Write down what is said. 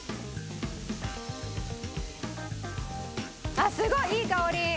あっすごいいい香り！